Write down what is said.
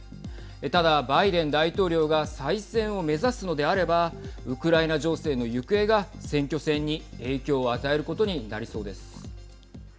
ただ、バイデン大統領が再選を目指すのであればウクライナ情勢の行方が選挙戦に影響を与えることになりそうです。